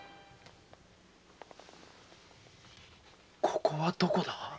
ここはどこだ？